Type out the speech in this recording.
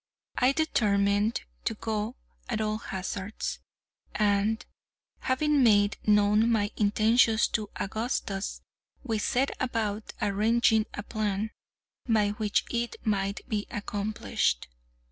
I determined to go at all hazards; and, having made known my intentions to Augustus, we set about arranging a plan by which it might be accomplished.